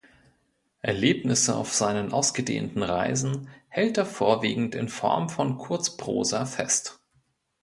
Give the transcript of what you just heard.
Erlebnisse auf seinen ausgedehnten Reisen hält er vorwiegend in Form von Kurzprosa fest.